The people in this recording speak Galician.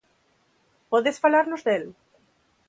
Podes falarnos del?